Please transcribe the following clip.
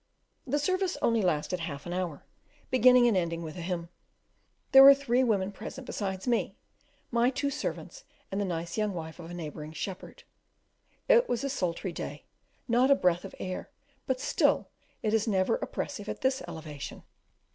The service only lasted half an hour, beginning and ending with a hymn; there were three women present besides me my two servants, and the nice young wife of a neighbouring shepherd. It was a sultry day, not a breath of air; but still it is never oppressive at this elevation.